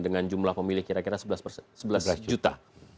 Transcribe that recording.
dengan jumlah pemilih kira kira sebelas juta